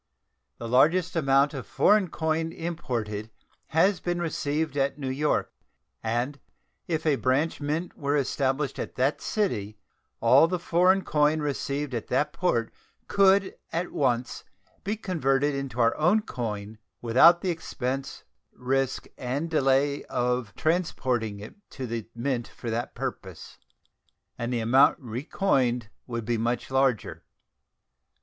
The largest amount of foreign coin imported has been received at New York, and if a branch mint were established at that city all the foreign coin received at that port could at once be converted into our own coin without the expense, risk, and delay of transporting it to the Mint for that purpose, and the amount recoined would be much larger.